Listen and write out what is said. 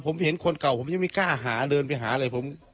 ผมเห็นคนเก่าผมยังไม่กล้าหาเดินไปหาอะไรผม